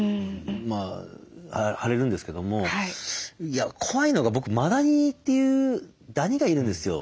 まあ腫れるんですけども怖いのが僕マダニというダニがいるんですよ。